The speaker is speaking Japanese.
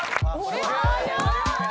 早い！